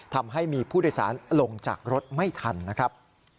ทำให้มีผู้โดยสารลงจากรถไม่ทันนะครับ